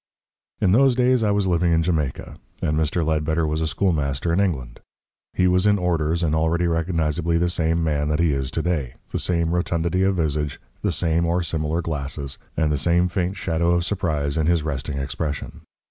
In those days I was living in Jamaica, and Mr. Ledbetter was a schoolmaster in England. He was in orders, and already recognisably the same man that he is to day: the same rotundity of visage, the same or similar glasses, and the same faint shadow of surprise in his resting expression.